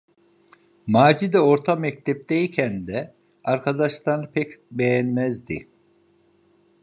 Macide orta mektepteyken de arkadaşlarını pek beğenmezdi.